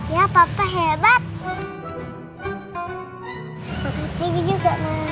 ya papa hebat